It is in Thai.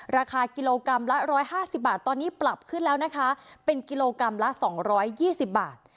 ราคากิโลกรัมละร้อยห้าสิบบาทตอนนี้ปรับขึ้นแล้วนะคะเป็นกิโลกรัมละสองร้อยยี่สิบบาท